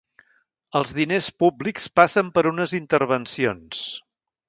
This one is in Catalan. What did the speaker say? Els diners públics passen per unes intervencions.